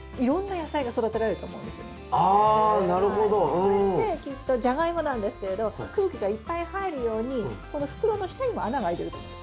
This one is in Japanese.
これってきっとジャガイモなんですけれど空気がいっぱい入るようにこの袋の下にも穴が開いてると思うんです。